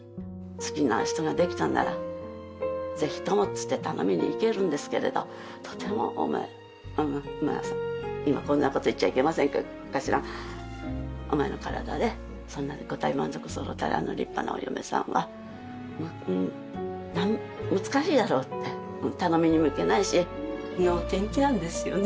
好きな人が出来たんなら「是非とも」って言って頼みにいけるんですけれどとても今こんなこと言っちゃいけませんけど昔は「お前の体でそんな五体満足そろった立派なお嫁さんは難しいだろう」って頼みにもいけないし能天気なんですよね